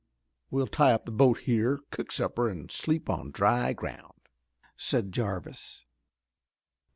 "We'll tie up the boat here, cook supper and sleep on dry ground," said Jarvis.